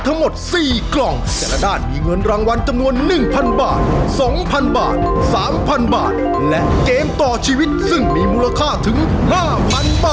ทางรายการมีกล้องโบนัสลุ้นล้านทั้งหมด๔กล้อง